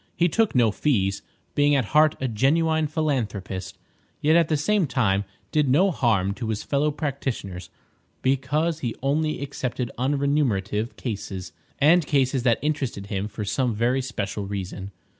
He took no fees, being at heart a genuine philanthropist, yet at the same time did no harm to his fellow practitioners, because he only accepted unremunerative cases, and cases that interested him for some very special reason.